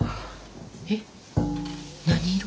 えっ何色？